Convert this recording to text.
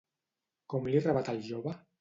Com li rebat el jove?